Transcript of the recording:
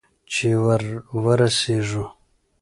چې ور ورسېږو؟